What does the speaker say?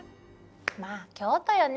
まぁ京都よね。